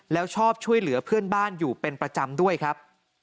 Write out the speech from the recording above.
แล้วชอบช่วยเหลือเพื่อนบ้านอยู่เป็นประจำด้วยครับ